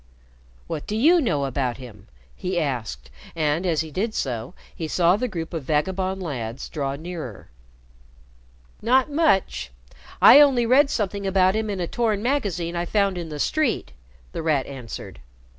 "What do you know about him?" he asked, and, as he did so, he saw the group of vagabond lads draw nearer. "Not much. I only read something about him in a torn magazine I found in the street," The Rat answered.